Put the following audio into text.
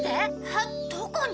えっどこに？